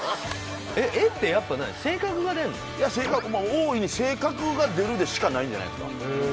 大いに性格が出るでしかないんじゃないですか。